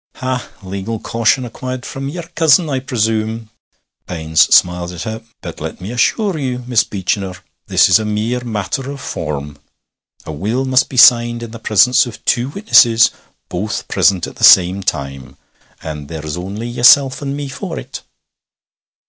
'Ha! Legal caution acquired from your cousin, I presume.' Baines smiled at her. 'But let me assure ye, Miss Beechinor, this is a mere matter of form. A will must be signed in the presence of two witnesses, both present at the same time; and there's only yeself and me for it.'